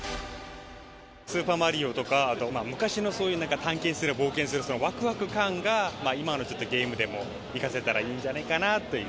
スーパーマリオとか、昔のそういう、なんか探検したり冒険したり、わくわく感が、今のちょっとゲームでも、生かせたらいいんじゃないかなという。